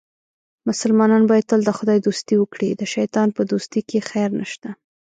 مسلمان باید تل د خدای دوستي وکړي، د شیطان په دوستۍ کې خیر نشته.